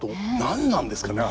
何なんですかね。